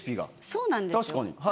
そうなんですよ。